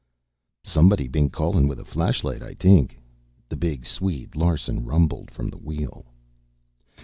"Somebody bane callin' with a flashlight, I t'ank," the big Swede, Larsen, rumbled from the wheel.